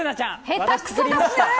下手くそですねー！